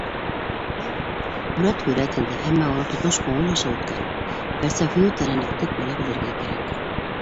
Һүрәт һүрәт инде, әммә уны тотош күңел аша үткәреп, фәлсәфәүи тәрәнлекте күрә белергә кәрәк.